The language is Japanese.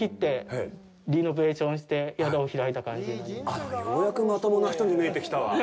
あっ、何か、ようやくまともな人に見えてきたわ。